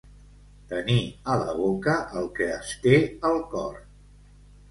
Tenir a la boca el que es té al cor.